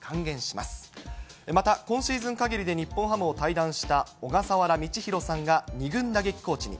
また、今シーズンかぎりで日本ハムを退団した小笠原道大さんが２軍打撃コーチに。